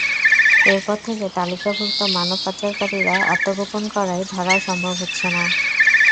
এরপর থেকে তালিকাভুক্ত মানব পাচারকারীরা আত্মগোপন করায় ধরা সম্ভব হচ্ছে না।